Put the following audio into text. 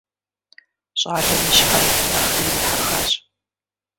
Щӏалэм и щхьэр нэхъри ирихьэхащ.